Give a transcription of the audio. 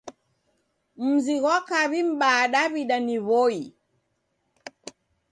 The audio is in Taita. Mzi ghwa kaw'i m'baa Daw'ida ni W'oi.